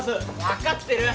分かってる！